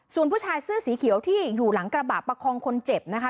ส่วนผู้ชายเสื้อสีเขียวที่อยู่หลังกระบะประคองคนเจ็บนะคะ